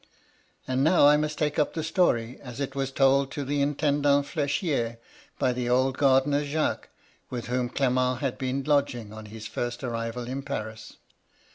*^ And now I must take up the story as it was told to the Intendant Flechier by the old gardener Jacques, with whom Clement had been lodging on his first arrival in Paris.